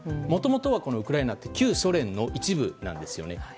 もともとは、ウクライナって旧ソ連の一部なんですね。